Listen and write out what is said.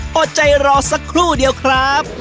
อดใจรอสักครู่เดียวครับ